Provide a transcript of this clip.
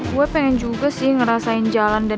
gue pengen juga sih ngerasain jalan dan